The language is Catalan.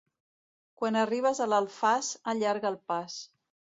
Quan arribes a l'Alfàs, allarga el pas.